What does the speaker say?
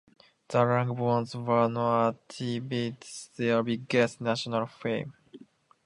The Rugburns were now achieving their biggest national fame.